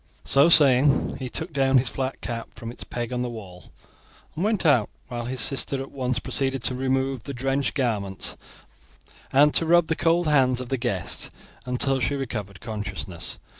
So saying, he took down his flat cap from its peg on the wall and went out, while his sister at once proceeded to remove the drenched garments and to rub the cold hands of the guest until she recovered consciousness.